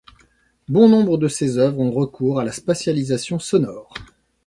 Bon nombre de ses œuvres ont recours à la spatialisation sonore.